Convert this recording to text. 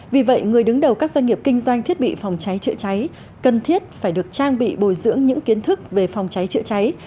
vì vậy người đứng đầu các doanh nghiệp kinh doanh thiết bị phòng cháy chữa cháy cần thiết phải được trang bị bồi dưỡng những kiến thức về phòng cháy chữa cháy